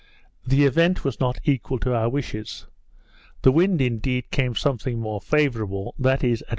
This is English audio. The event was not equal to our wishes. The wind, indeed, came something more favourable, that is at W.